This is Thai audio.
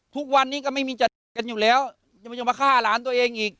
ทุกวันนี้ก็ไม่มีจะอยู่แล้วมันจะมาฆ่าหลานตัวเองอีก